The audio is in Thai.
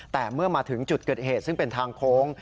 แต่เมื่อมาถึงจุดเกิดเหตุซึ่งเป็นทางโค้ง